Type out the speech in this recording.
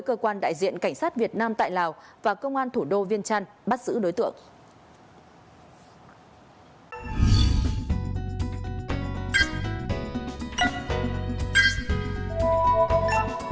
cơ quan đại diện cảnh sát việt nam tại lào và công an thủ đô viên trăn bắt giữ đối tượng